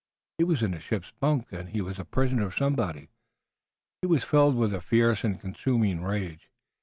He was in a ship's bunk and he was a prisoner of somebody. He was filled with a fierce and consuming rage.